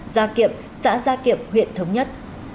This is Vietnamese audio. gia kiệm xã gia kiệm huyện thống nhất